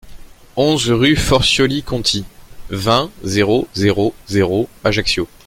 onze rue Forcioli-Conti, vingt, zéro zéro zéro, Ajaccio